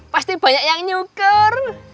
pasti banyak yang nyukur